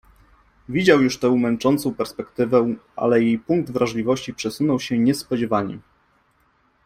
Widział już tę męczącą perspektywę, ale jej punkt wrażliwości przesunął się nie spodziewanie.